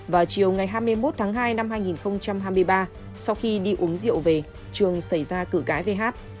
vào chiều ngày hai mươi một tháng hai năm hai nghìn hai mươi ba sau khi đi uống rượu về trường xảy ra cử gái về hát